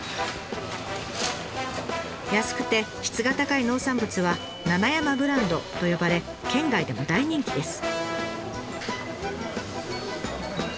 安くて質が高い農産物は「七山ブランド」と呼ばれ県外でも大人気です。